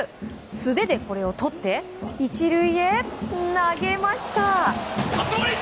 素手でこれをとって１塁へ投げました。